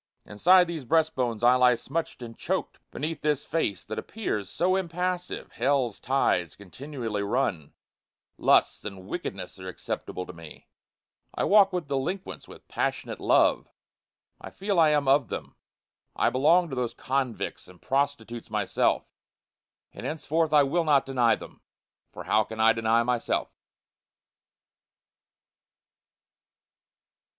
Inside these breast bones I lie smutchâd and choked, Beneath this face that appears so impassive hellâs tides continually run, Lusts and wickedness are acceptable to me, I walk with delinquents with passionate love, I feel I am of them I belong to those convicts and prostitutes myself, And henceforth I will not deny them for how can I deny myself?